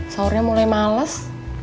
sahurnya mulai males